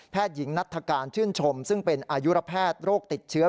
หญิงนัฐการชื่นชมซึ่งเป็นอายุระแพทย์โรคติดเชื้อ